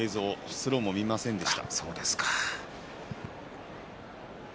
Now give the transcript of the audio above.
スローも見ませんでした。